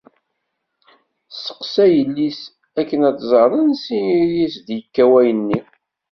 Testeqsa yelli-s akken ad tẓer ansi i as-id-yekka wayen-nni.